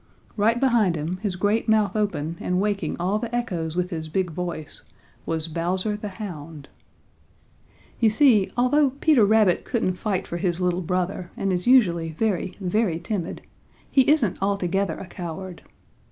Right behind him, his great mouth open and waking all the echoes with his big voice, was Bowser the Hound. You see, although Peter Rabbit couldn't fight for his little baby brother and is usually very, very timid, he isn't altogether a coward.